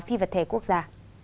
phi vật thể quốc gia